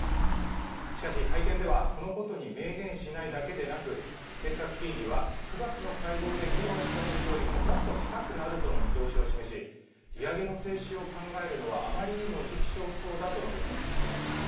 しかし、会見ではこのことに明言しないだけでなく、政策金利は９月の会合で議論したときよりももっと高くなるとの見通しを示し、利上げの停止を考えるのはあまりにも時期尚早だと述べたのです。